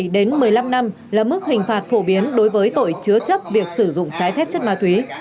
đến một mươi năm năm là mức hình phạt phổ biến đối với tội chứa chấp việc sử dụng trái phép chất ma túy